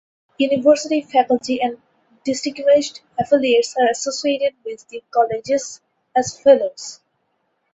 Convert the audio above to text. University faculty and distinguished affiliates are associated with the colleges as fellows.